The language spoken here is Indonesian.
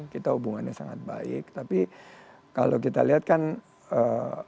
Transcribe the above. kita hubungannya sangat baik tapi kalau kita lihat kan ee